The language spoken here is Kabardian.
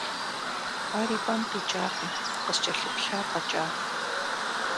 Ар и пӀэм къикӀакъым, къыскӀэлъыплъа фӀэкӀа.